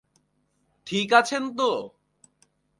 ঠিক আছেন তো?